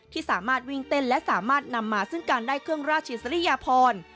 ที่สามารถวิ่งเต้นและสามารถนำมาซึ่งการได้เครื่องราชอิสริยพร